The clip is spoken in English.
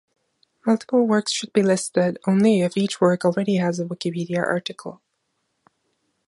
Multiple works should be listed only if each work already has a Wikipedia article.